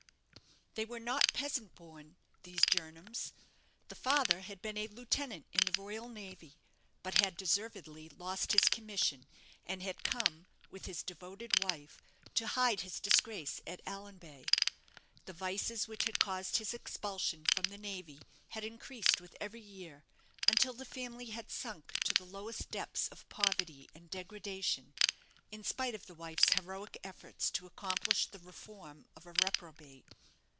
They were not peasant born these Jernams. The father had been a lieutenant in the Royal Navy; but had deservedly lost his commission, and had come, with his devoted wife, to hide his disgrace at Allanbay. The vices which had caused his expulsion from the navy had increased with every year, until the family had sunk to the lowest depths of poverty and degradation, in spite of the wife's heroic efforts to accomplish the reform of a reprobate.